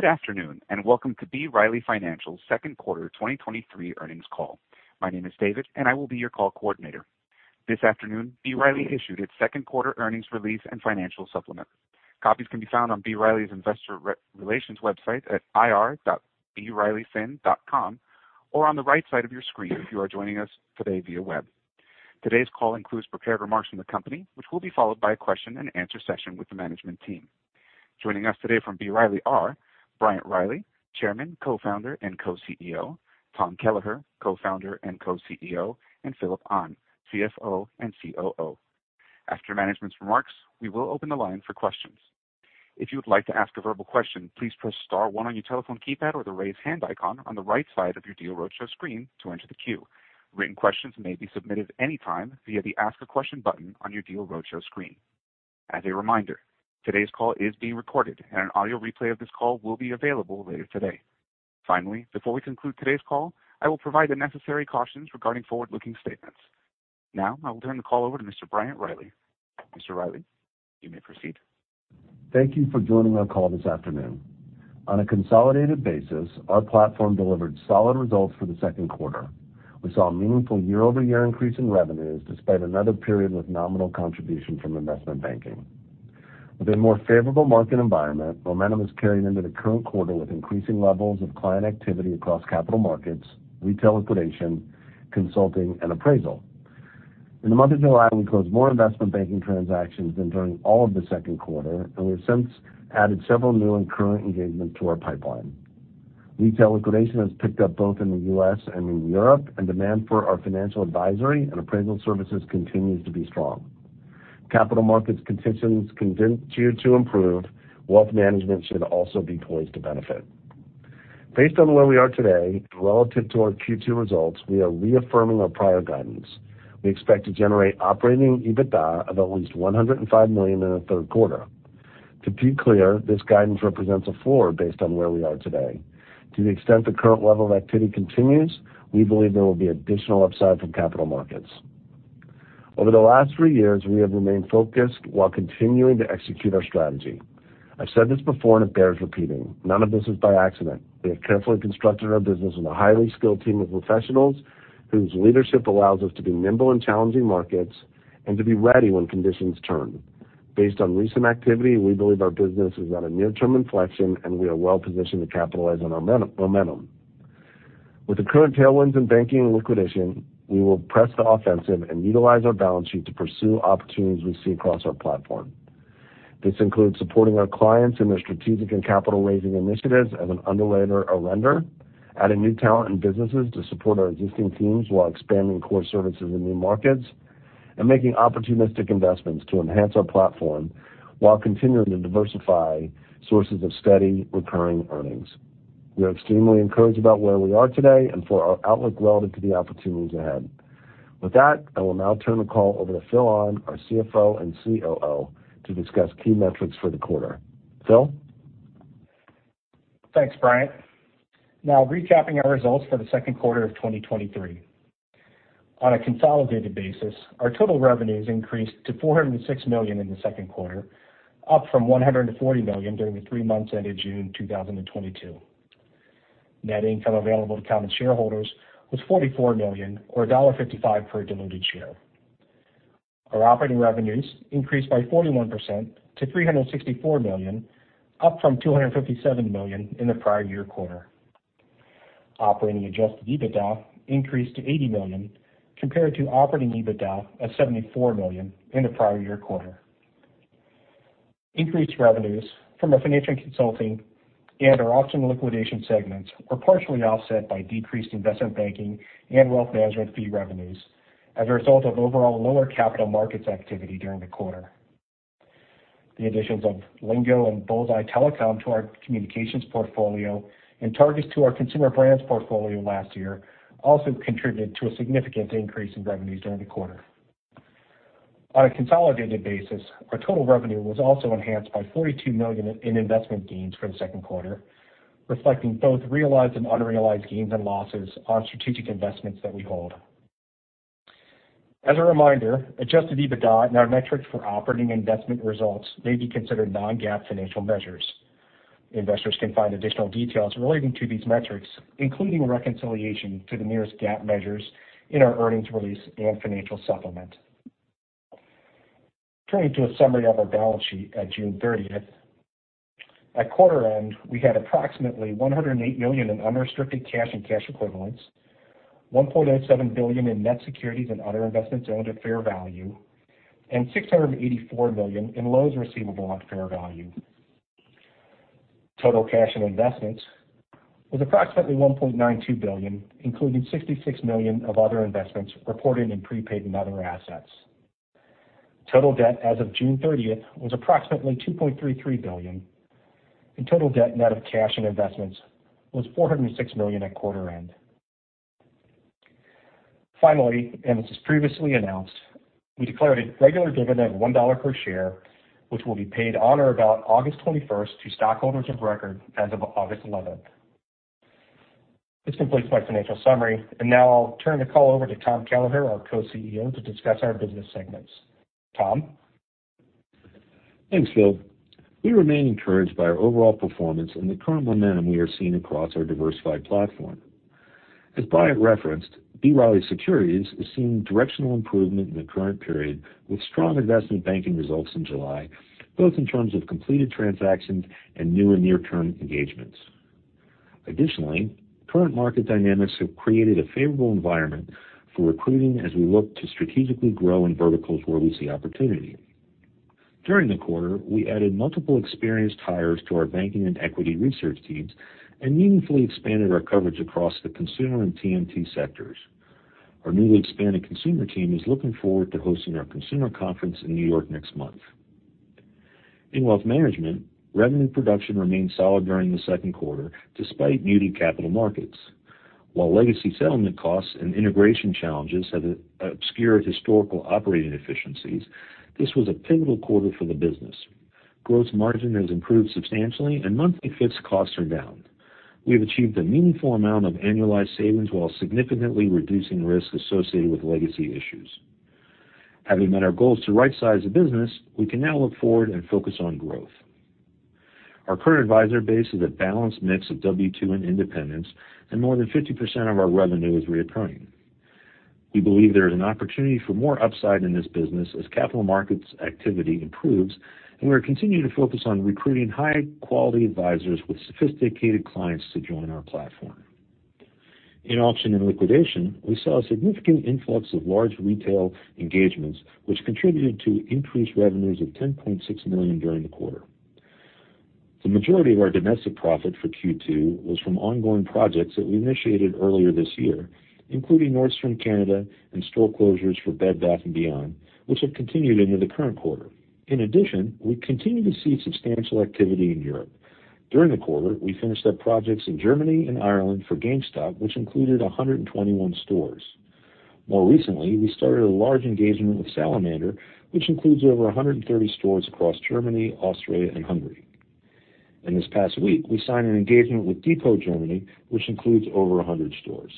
Good afternoon, and welcome to B. Riley Financial's Second Quarter 2023 Earnings Call. My name is David, and I will be your call coordinator. This afternoon, B. Riley issued its second quarter earnings release and financial supplement. Copies can be found on B. Riley's investor relations website at ir.brileyfin.com or on the right side of your screen if you are joining us today via web. Today's call includes prepared remarks from the company, which will be followed by a question-and-answer session with the management team. Joining us today from B. Riley are Bryant Riley, chairman, co-founder, and co-Chief Executive Officer, Tom Kelleher, co-founder and co-Chief Executive Officer, and Phillip Ahn, Chief Financial Officer and Chief Operating Officer. After management's remarks, we will open the line for questions. If you would like to ask a verbal question, please press star one on your telephone keypad or the raise hand icon on the right side of your Deal Roadshow screen to enter the queue. Written questions may be submitted anytime via the Ask a Question button on your Deal Roadshow screen. As a reminder, today's call is being recorded, and an audio replay of this call will be available later today. Finally, before we conclude today's call, I will provide the necessary cautions regarding forward-looking statements. Now, I will turn the call over to Mr. Bryant Riley. Mr. Riley, you may proceed. Thank you for joining our call this afternoon. On a consolidated basis, our platform delivered solid results for the second quarter. We saw a meaningful year-over-year increase in revenues despite another period with nominal contribution from investment banking. With a more favorable market environment, momentum has carried into the current quarter, with increasing levels of client activity across capital markets, retail liquidation, consulting, and appraisal. In the month of July, we closed more investment banking transactions than during all of the second quarter, and we have since added several new and current engagements to our pipeline. Retail liquidation has picked up both in the U.S. and in Europe, and demand for our financial advisory and appraisal services continues to be strong. Capital markets conditions continue to improve. Wealth management should also be poised to benefit. Based on where we are today, relative to our Q2 results, we are reaffirming our prior guidance. We expect to generate operating EBITDA of at least $105 million in the third quarter. To be clear, this guidance represents a floor based on where we are today. To the extent the current level of activity continues, we believe there will be additional upside from capital markets. Over the last three years, we have remained focused while continuing to execute our strategy. I've said this before, and it bears repeating: none of this is by accident. We have carefully constructed our business with a highly skilled team of professionals whose leadership allows us to be nimble in challenging markets and to be ready when conditions turn. Based on recent activity, we believe our business is at a near-term inflection, and we are well positioned to capitalize on our momentum. With the current tailwinds in banking and liquidation, we will press the offensive and utilize our balance sheet to pursue opportunities we see across our platform. This includes supporting our clients in their strategic and capital-raising initiatives as an underwriter or lender, adding new talent and businesses to support our existing teams while expanding core services in new markets, and making opportunistic investments to enhance our platform while continuing to diversify sources of steady, recurring earnings. We are extremely encouraged about where we are today and for our outlook relative to the opportunities ahead. With that, I will now turn the call over to Phil Ahn, our Chief Financial Officer and Chief Operating Officer, to discuss key metrics for the quarter. Phil? Thanks, Bryant. Now recapping our results for the second quarter of 2023. On a consolidated basis, our total revenues increased to $406 million in the second quarter, up from $140 million during the three months ended June 2022. Net income available to common shareholders was $44 million, or $1.55 per diluted share. Our operating revenues increased by 41% to $364 million, up from $257 million in the prior year quarter. Operating adjusted EBITDA increased to $80 million, compared to operating EBITDA of $74 million in the prior year quarter. Increased revenues from our financial and consulting and our auction and liquidation segments were partially offset by decreased investment banking and wealth management fee revenues as a result of overall lower capital markets activity during the quarter. The additions of Lingo and BullsEye Telecom to our communications portfolio and Targus to our consumer brands portfolio last year also contributed to a significant increase in revenues during the quarter. On a consolidated basis, our total revenue was also enhanced by $42 million in investment gains for the second quarter, reflecting both realized and unrealized gains and losses on strategic investments that we hold. As a reminder, adjusted EBITDA and our metrics for operating investment results may be considered non-GAAP financial measures. Investors can find additional details relating to these metrics, including a reconciliation to the nearest GAAP measures, in our earnings release and financial supplement. Turning to a summary of our balance sheet at June 30th. At quarter end, we had approximately $108 million in unrestricted cash and cash equivalents, $1.87 billion in net securities and other investments owned at fair value, and $684 million in loans receivable at fair value. Total cash and investments was approximately $1.92 billion, including $66 million of other investments reported in prepaid and other assets. Total debt as of June 30th was approximately $2.33 billion, and total debt net of cash and investments was $406 million at quarter end. Finally, this was previously announced, we declared a regular dividend of $1 per share, which will be paid on or about August 21st to stockholders of record as of August 11th. This completes my financial summary. Now I'll turn the call over to Tom Kelleher, our Co-Chief Executive Officer, to discuss our business segments. Tom? Thanks, Phil. We remain encouraged by our overall performance and the current momentum we are seeing across our diversified platform. As Bryant referenced, B. Riley Securities is seeing directional improvement in the current period, with strong investment banking results in July, both in terms of completed transactions and new and near-term engagements. Additionally, current market dynamics have created a favorable environment for recruiting as we look to strategically grow in verticals where we see opportunity. During the quarter, we added multiple experienced hires to our banking and equity research teams and meaningfully expanded our coverage across the consumer and TMT sectors. Our newly expanded consumer team is looking forward to hosting our consumer conference in New York next month. In wealth management, revenue production remained solid during the second quarter, despite muted capital markets. While legacy settlement costs and integration challenges have obscured historical operating efficiencies, this was a pivotal quarter for the business. Gross margin has improved substantially, and monthly fixed costs are down. We have achieved a meaningful amount of annualized savings while significantly reducing risk associated with legacy issues. Having met our goals to rightsize the business, we can now look forward and focus on growth. Our current advisor base is a balanced mix of W-2 and independents, and more than 50% of our revenue is reoccurring. We believe there is an opportunity for more upside in this business as capital markets activity improves, and we are continuing to focus on recruiting high-quality advisors with sophisticated clients to join our platform. In auction and liquidation, we saw a significant influx of large retail engagements, which contributed to increased revenues of $10.6 million during the quarter. The majority of our domestic profit for Q2 was from ongoing projects that we initiated earlier this year, including Nordstrom Canada and store closures for Bed Bath & Beyond, which have continued into the current quarter. In addition, we continue to see substantial activity in Europe. During the quarter, we finished up projects in Germany and Ireland for GameStop, which included 121 stores. More recently, we started a large engagement with Salamander, which includes over 130 stores across Germany, Austria and Hungary. This past week, we signed an engagement with Depot Germany, which includes over 100 stores.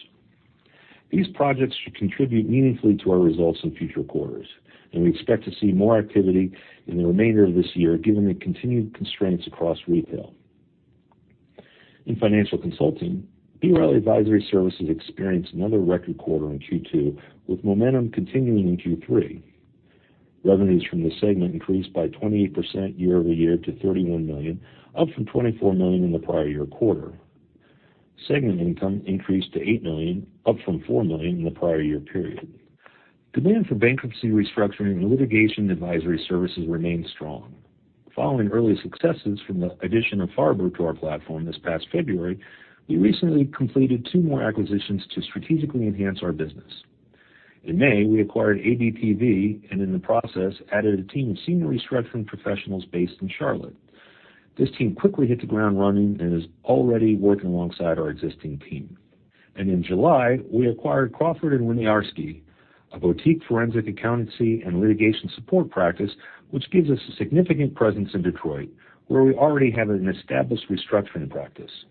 These projects should contribute meaningfully to our results in future quarters, and we expect to see more activity in the remainder of this year, given the continued constraints across retail. In financial consulting, B. Riley Advisory Services experienced another record quarter in Q2, with momentum continuing in Q3. Revenues from the segment increased by 28% year-over-year to $31 million, up from $24 million in the prior year quarter. Segment income increased to $8 million, up from $4 million in the prior year period. Demand for bankruptcy, restructuring, and litigation advisory services remained strong. Following early successes from the addition of Farber to our platform this past February, we recently completed two more acquisitions to strategically enhance our business. In May, we acquired ABTV, and in the process, added a team of senior restructuring professionals based in Charlotte. This team quickly hit the ground running and is already working alongside our existing team. In July, we acquired Crawford & Winiarski, a boutique forensic accountancy and litigation support practice, which gives us a significant presence in Detroit, where we already have an established restructuring practice.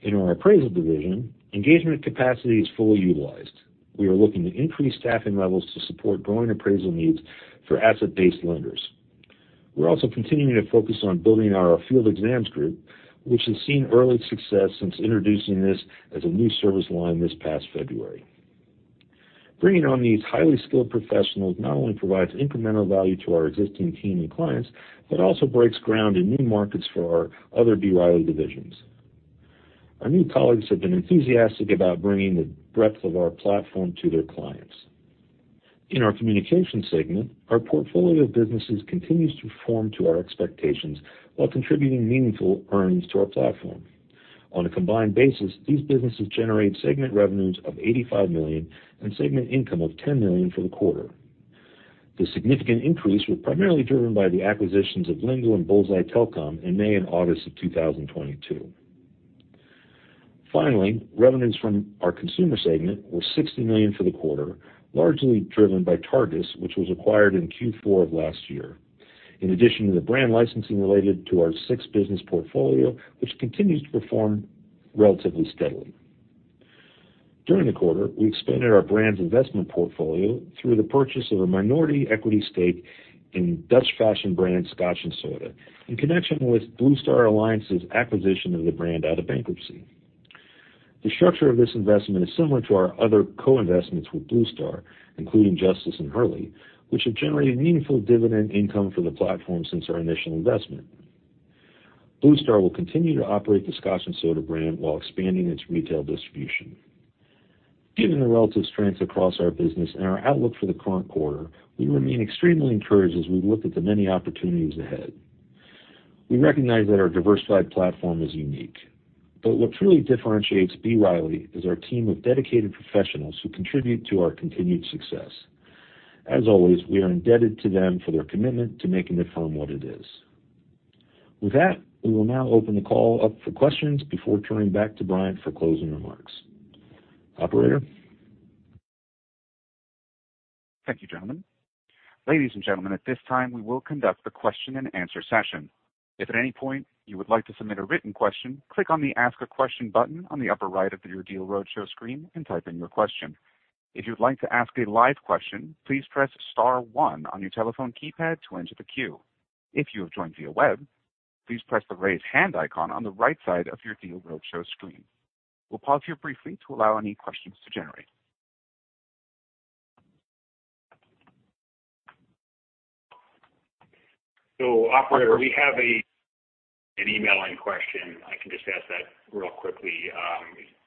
In our appraisal division, engagement capacity is fully utilized. We are looking to increase staffing levels to support growing appraisal needs for asset-based lenders. We're also continuing to focus on building our field exams group, which has seen early success since introducing this as a new service line this past February. Bringing on these highly skilled professionals not only provides incremental value to our existing team and clients, but also breaks ground in new markets for our other B. Riley divisions. Our new colleagues have been enthusiastic about bringing the breadth of our platform to their clients. In our communication segment, our portfolio of businesses continues to perform to our expectations while contributing meaningful earnings to our platform. On a combined basis, these businesses generate segment revenues of $85 million and segment income of $10 million for the quarter. The significant increase was primarily driven by the acquisitions of Lingo and BullsEye Telecom in May and August of 2022. Revenues from our consumer segment were $60 million for the quarter, largely driven by Targus, which was acquired in Q4 of last year. In addition to the brand licensing related to our sixth business portfolio, which continues to perform relatively steadily. During the quarter, we expanded our brands investment portfolio through the purchase of a minority equity stake in Dutch fashion brand Scotch & Soda, in connection with Bluestar Alliance's acquisition of the brand out of bankruptcy. The structure of this investment is similar to our other co-investments with Bluestar, including Justice and Hurley, which have generated meaningful dividend income for the platform since our initial investment. Bluestar will continue to operate the Scotch & Soda brand while expanding its retail distribution. Given the relative strengths across our business and our outlook for the current quarter, we remain extremely encouraged as we look at the many opportunities ahead. We recognize that our diversified platform is unique, but what truly differentiates B. Riley is our team of dedicated professionals who contribute to our continued success. As always, we are indebted to them for their commitment to making the firm what it is. With that, we will now open the call up for questions before turning back to Bryant for closing remarks. Operator? Thank you, gentlemen. Ladies and gentlemen, at this time, we will conduct the question and answer session. If at any point you would like to submit a written question, click on the Ask a Question button on the upper right of your Deal Roadshow screen and type in your question. If you'd like to ask a live question, please press star one on your telephone keypad to enter the queue. If you have joined via web, please press the Raise Hand icon on the right side of your Deal Roadshow screen. We'll pause here briefly to allow any questions to generate. Operator, we have an email in question. I can just ask that real quickly,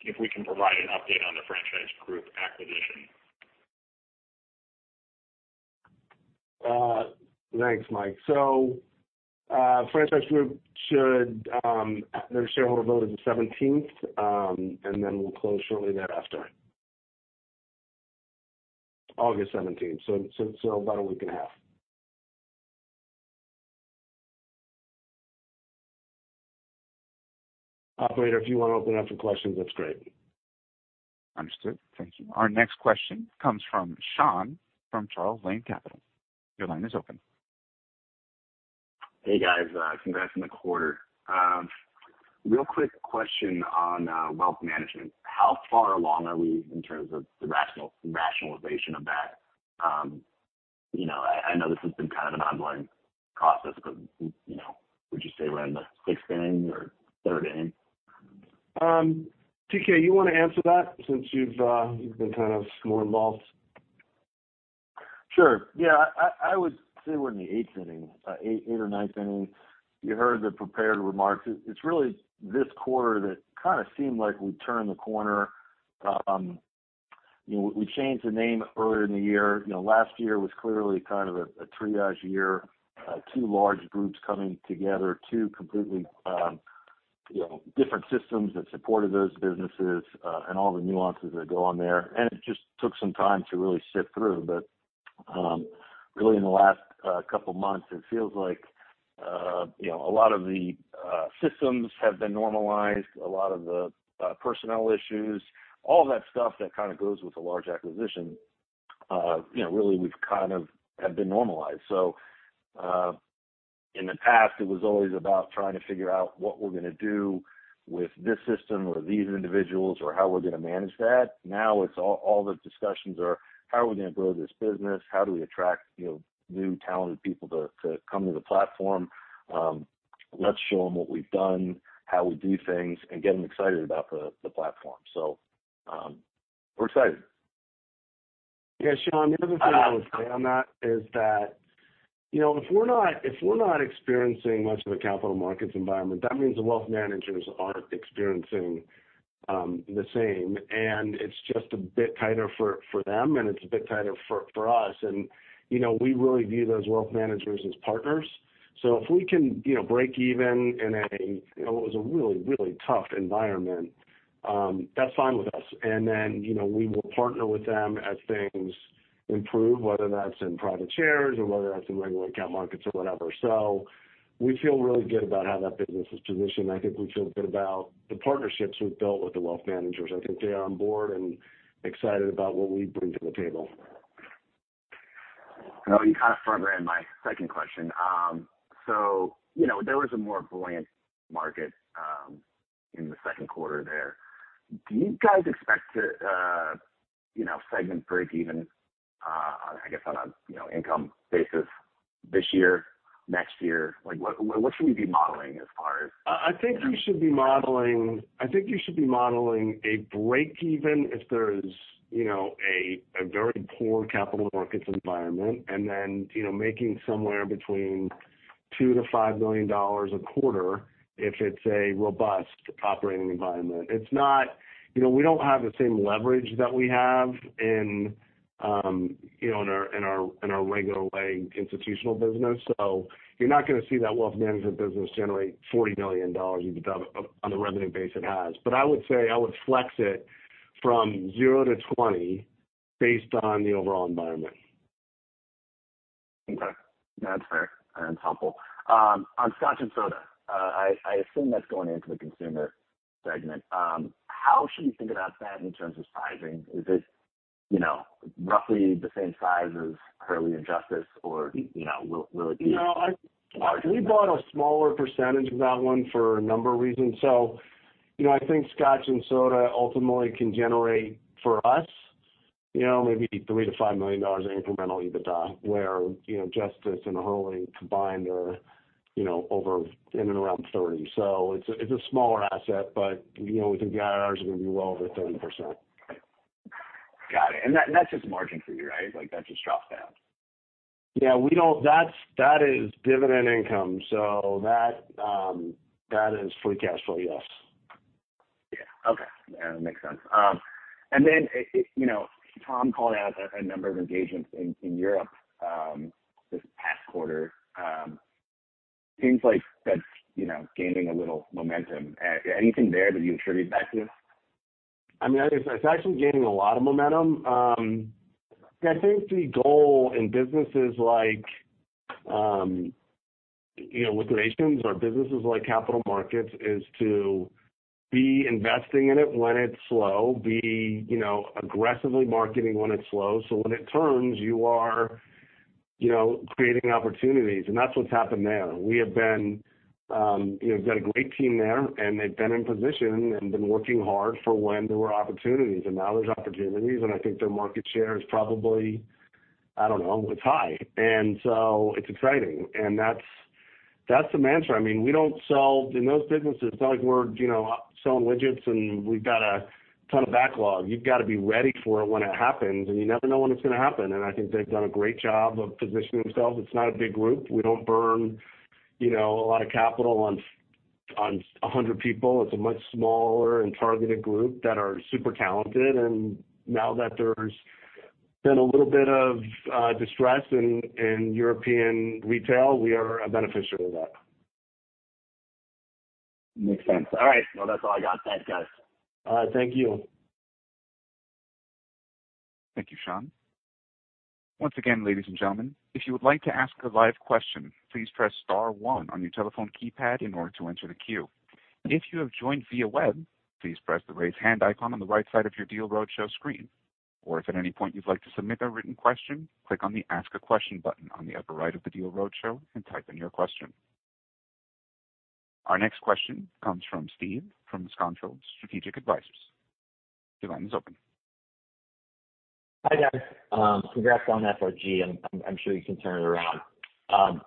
if we can provide an update on the Franchise Group acquisition? Thanks, Mike. Franchise Group should, their shareholder vote is the seventeenth, we'll close shortly thereafter. August seventeenth, about a week and a half. Operator, if you want to open up for questions, that's great. Understood. Thank you. Our next question comes from Sean from Charles Lane Capital. Your line is open. Hey, guys, congrats on the quarter. Real quick question on wealth management. How far along are we in terms of the rational- rationalization of that? You know, I, I know this has been kind of an ongoing process, but, you know, would you say we're in the sixth inning or third inning? TK, you want to answer that since you've, you've been kind of more involved? Sure. Yeah, I, I would say we're in the eighth inning, eight, eighth or ninth inning. You heard the prepared remarks. It, it's really this quarter that kind of seemed like we turned the corner. You know, we changed the name earlier in the year. You know, last year was clearly kind of a, a triage year, two large groups coming together, two completely, you know, different systems that supported those businesses, and all the nuances that go on there. It just took some time to really sift through. Really, in the last couple of months, it feels like, you know, a lot of the systems have been normalized, a lot of the personnel issues, all that stuff that kind of goes with a large acquisition, you know, really we've kind of have been normalized. In the past, it was always about trying to figure out what we're going to do with this system or these individuals or how we're going to manage that. Now, it's all the discussions are: How are we going to grow this business? How do we attract, you know, new talented people to, to come to the platform? Let's show them what we've done, how we do things, and get them excited about the, the platform. We're excited. Yeah, Sean, the other thing I would say on that is that, you know, if we're not, if we're not experiencing much of a capital markets environment, that means the wealth managers are experiencing the same, and it's just a bit tighter for, for them, and it's a bit tighter for, for us. You know, we really view those wealth managers as partners. If we can, you know, break even in a, it was a really, really tough environment, that's fine with us. Then, you know, we will partner with them as things improve, whether that's in private shares or whether that's in regular account markets or whatever. We feel really good about how that business is positioned. I think we feel good about the partnerships we've built with the wealth managers. I think they are on board and excited about what we bring to the table. Well, you kind of front ran my 2nd question. You know, there was a more buoyant market in the 2nd quarter there. Do you guys expect to, you know, segment break even, I guess, on a, you know, income basis this year, next year? Like, what, what should we be modeling as far as? I think you should be modeling, I think you should be modeling a break even if there is, you know, a very poor capital markets environment, and then, you know, making somewhere between $2 million-$5 million a quarter, if it's a robust operating environment. It's not. You know, we don't have the same leverage that we have in, you know, in our, in our, in our regular way institutional business. You're not going to see that wealth management business generate $40 million EBITDA on the revenue base it has. I would say I would flex it from zero to 20 based on the overall environment. Okay. That's fair, and it's helpful. On Scotch & Soda, I assume that's going into the consumer segment. How should we think about that in terms of sizing? Is this, you know, roughly the same size as Hurley and Justice, or, you know, will it be? No, we bought a smaller percentage of that one for a number of reasons. You know, I think Scotch & Soda ultimately can generate for us, you know, maybe $3 million-$5 million incremental EBITDA, where, you know, Justice and Hurley combined are, you know, over in and around $30 million. It's a, it's a smaller asset, but, you know, we think the IRRs are going to be well over 30%. Got it. That, that's just margin for you, right? Like, that's just drop down. Yeah, that is dividend income, so that is free cash flow, yes. Yeah. Okay. Yeah, makes sense. Then, it, you know, Tom called out a number of engagements in Europe this past quarter. Seems like that's, you know, gaining a little momentum. Anything there that you attribute back to? I mean, it's, it's actually gaining a lot of momentum. I think the goal in businesses like, you know, liquidations or businesses like capital markets, is to be investing in it when it's slow, be, you know, aggressively marketing when it's slow, so when it turns, you are, you know, creating opportunities. That's what's happened there. We have been, you know, we've got a great team there, and they've been in position and been working hard for when there were opportunities. Now there's opportunities, and I think their market share is probably, I don't know, it's high. So it's exciting, and that's, that's the mantra. I mean, we don't sell, in those businesses, it's not like we're, you know, selling widgets and we've got a ton of backlog. You've got to be ready for it when it happens. You never know when it's gonna happen. I think they've done a great job of positioning themselves. It's not a big group. We don't burn, you know, a lot of capital on, on 100 people. It's a much smaller and targeted group that are super talented. Now that there's been a little bit of distress in European retail, we are a beneficiary of that. Makes sense. All right, well, that's all I got. Thanks, guys. All right, thank you. Thank you, Sean. Once again, ladies and gentlemen, if you would like to ask a live question, please press star one on your telephone keypad in order to enter the queue. If you have joined via web, please press the Raise Hand icon on the right side of your Deal Roadshow screen. If at any point you'd like to submit a written question, click on the Ask a Question button on the upper right of the Deal Roadshow and type in your question. Our next question comes from Steve, from Muscanthold Strategic Advisors. Your line is open. Hi, guys. Congrats on FRG, I'm, I'm sure you can turn it around.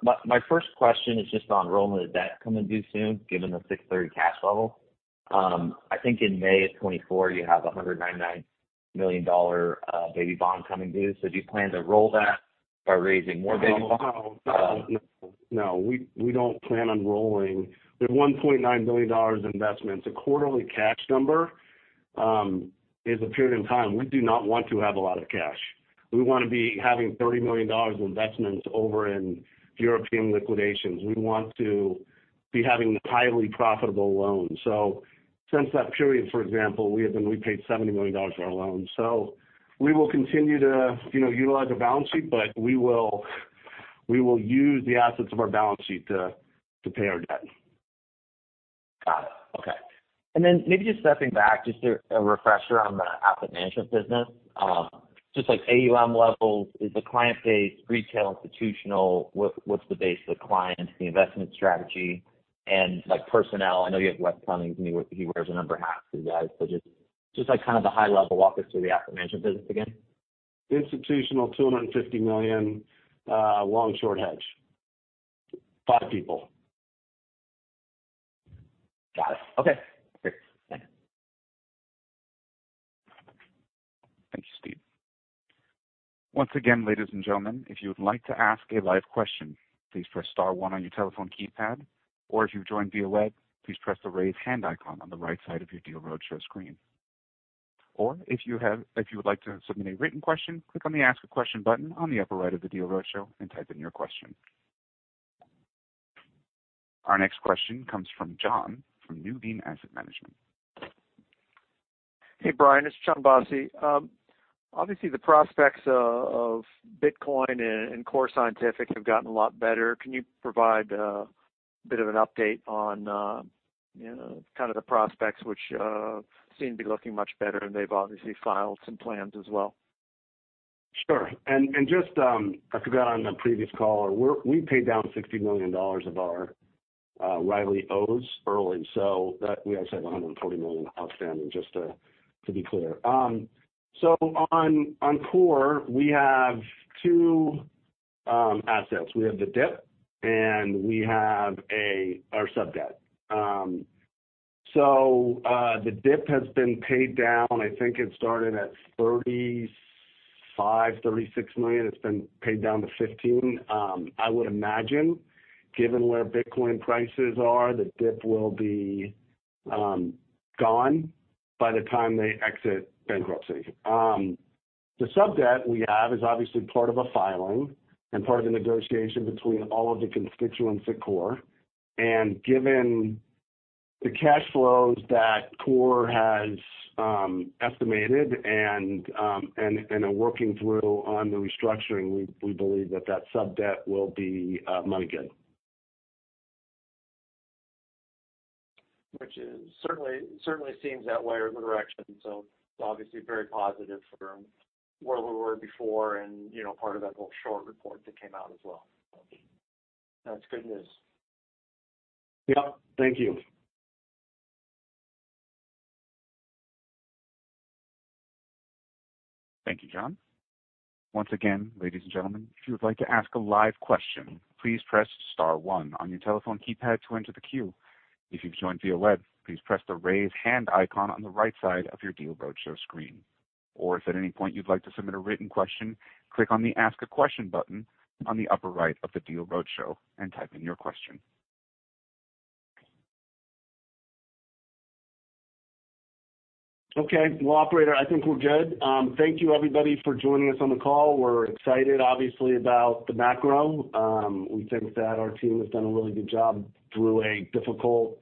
My, my first question is just on rolling the debt coming due soon, given the $630 million cash level. I think in May of 2024, you have a $199 million baby bond coming due. Do you plan to roll that by raising more baby bonds? No, no, no. We, we don't plan on rolling. We have $1.9 billion in investments. A quarterly cash number is a period in time. We do not want to have a lot of cash. We want to be having $30 million in investments over in European liquidations. We want to be having highly profitable loans. Since that period, for example, we paid $70 million on our loans. We will continue to, you know, utilize our balance sheet, but we will, we will use the assets of our balance sheet to, to pay our debt. Got it. Okay. Then maybe just stepping back, just to a refresher on the asset management business. Just like AUM levels, is the client base, retail, institutional, what, what's the base of the client, the investment strategy, and, like, personnel? I know you have Wes Cummins with me, he wears a number of hats, you guys. Just, just, like, kind of the high level, walk us through the asset management business again. Institutional, $250 million, long short hedge. Five people. Got it. Okay, great. Thank you. Thank you, Steve. Once again, ladies and gentlemen, if you would like to ask a live question, please press star 1 on your telephone keypad, if you've joined via web, please press the Raise Hand icon on the right side of your Deal Roadshow screen. If you would like to submit a written question, click on the Ask a Question button on the upper right of the Deal Roadshow and type in your question. Our next question comes from John, from Nuveen Asset Management. Hey, Brian, it's John Bosse. Obviously, the prospects of Bitcoin and, and Core Scientific have gotten a lot better. Can you provide a bit of an update on, you know, kind of the prospects, which seem to be looking much better, and they've obviously filed some plans as well? Just, I forgot on the previous call, we paid down $60 million of our RILYOs early, so that we have $140 million outstanding, just to be clear. On Core, we have two assets. We have the DIP and we have our subdebt. The DIP has been paid down. I think it started at $35 million-$36 million. It's been paid down to $15 million. I would imagine, given where Bitcoin prices are, the DIP will be gone by the time they exit bankruptcy. The subdebt we have is obviously part of a filing and part of the negotiation between all of the constituents at Core. Given the cash flows that Core has estimated and are working through on the restructuring, we, we believe that that subdebt will be money good. Which is certainly, certainly seems that way or the direction. It's obviously very positive from where we were before and, you know, part of that whole short report that came out as well. That's good news. Yep. Thank you. Thank you, John. Once again, ladies and gentlemen, if you would like to ask a live question, please press star 1 on your telephone keypad to enter the queue. If you've joined via web, please press the Raise Hand icon on the right side of your Deal Roadshow screen. Or if at any point you'd like to submit a written question, click on the Ask a Question button on the upper right of the Deal Roadshow and type in your question. Okay, well, operator, I think we're good. Thank you, everybody, for joining us on the call. We're excited, obviously, about the macro. We think that our team has done a really good job through a difficult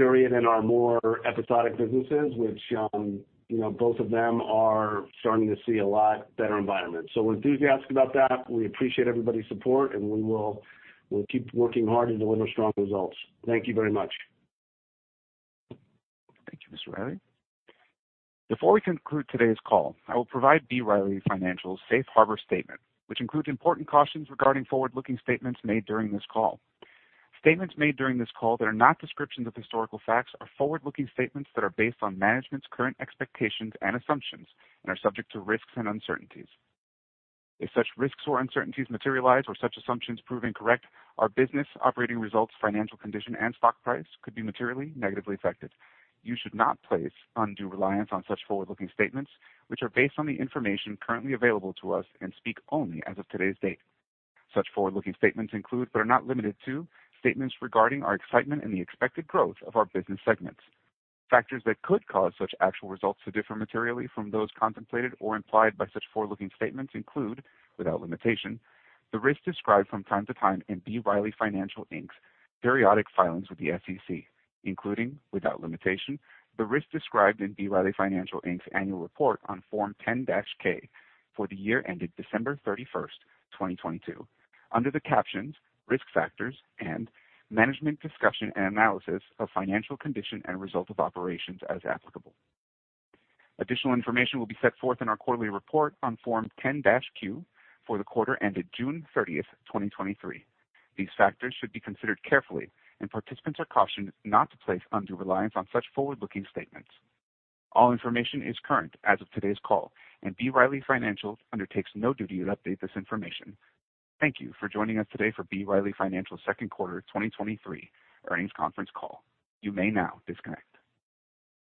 period in our more episodic businesses, which, you know, both of them are starting to see a lot better environment. We're enthusiastic about that. We appreciate everybody's support, and we will, we'll keep working hard to deliver strong results. Thank you very much. Thank you, Mr. Riley. Before we conclude today's call, I will provide B. Riley Financial's Safe Harbor statement, which includes important cautions regarding forward-looking statements made during this call. Statements made during this call that are not descriptions of historical facts are forward-looking statements that are based on management's current expectations and assumptions and are subject to risks and uncertainties. If such risks or uncertainties materialize or such assumptions prove incorrect, our business operating results, financial condition, and stock price could be materially negatively affected. You should not place undue reliance on such forward-looking statements, which are based on the information currently available to us and speak only as of today's date. Such forward-looking statements include, but are not limited to, statements regarding our excitement and the expected growth of our business segments. Factors that could cause such actual results to differ materially from those contemplated or implied by such forward-looking statements include, without limitation, the risks described from time to time in B. Riley Financial, Inc's periodic filings with the SEC, including, without limitation, the risks described in B. Riley Financial, Inc's annual report on Form 10-K for the year ended December 31, 2022, under the captions Risk Factors and Management Discussion and Analysis of Financial Condition and Result of Operations, as applicable. Additional information will be set forth in our quarterly report on Form 10-Q for the quarter ended June 30, 2023. These factors should be considered carefully, and participants are cautioned not to place undue reliance on such forward-looking statements. All information is current as of today's call, and B. Riley Financial undertakes no duty to update this information. Thank you for joining us today for B. Riley Financial's second quarter 2023 earnings conference call. You may now disconnect.